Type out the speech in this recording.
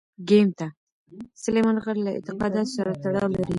سلیمان غر له اعتقاداتو سره تړاو لري.